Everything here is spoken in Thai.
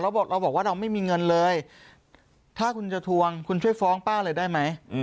บอกเราบอกว่าเราไม่มีเงินเลยถ้าคุณจะทวงคุณช่วยฟ้องป้าเลยได้ไหม